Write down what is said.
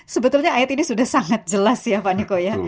sebetulnya ayat ini sudah sangat jelas ya pak niko ya